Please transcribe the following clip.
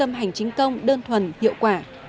trung tâm hành chính công đơn thuần hiệu quả